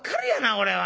これは。